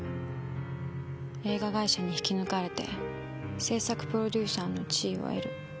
映画会社に引き抜かれて制作プロデューサーの地位を得る。